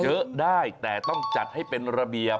เยอะได้แต่ต้องจัดให้เป็นระเบียบ